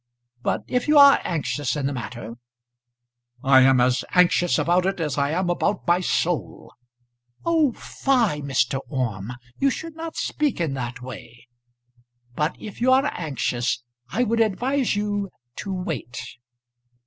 But if you are anxious in the matter " "I am as anxious about it as I am about my soul!" "Oh fie, Mr. Orme! You should not speak in that way. But if you are anxious, I would advise you to wait."